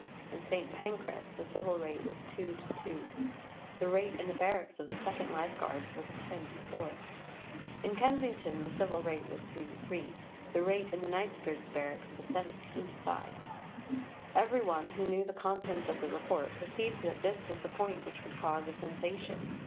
In St. Pancras the civil rate was 2·2; the rate in the barracks of the 2nd Life Guards was 10·4. In Kensington the civil rate was 3·3; the rate in the Knightsbridge barracks was 17·5. Every one who knew the contents of the Report perceived that this was the point which would cause a sensation.